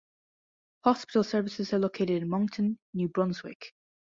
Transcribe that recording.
Hospital services are located in Moncton, New Brunswick.